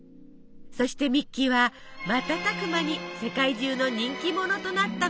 そしてミッキーは瞬く間に世界中の人気者となったのです。